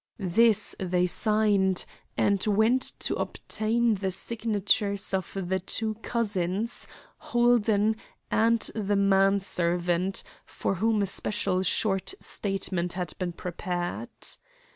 This they signed, and went to obtain the signatures of the two cousins, Holden, and the man servant, for whom a special short statement had been prepared.